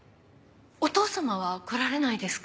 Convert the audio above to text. お父さまは来られないですか？